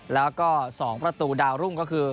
แล้วก็๒ประตูดาวรุ่งก็คือ